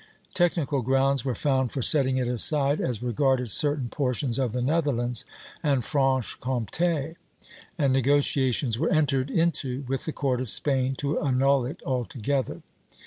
Technical grounds were found for setting it aside as regarded certain portions of the Netherlands and Franche Comté, and negotiations were entered into with the court of Spain to annul it altogether.